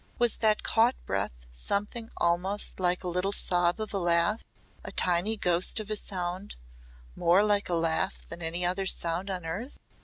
Was that caught breath something almost like a little sob of a laugh a tiny ghost of a sound more like a laugh than any other sound on earth?